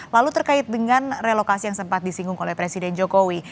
lalu terkait dengan relokasi yang sempat disinggung oleh presiden jokowi